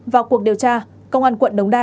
vào cuộc điều tra công an quận đống đa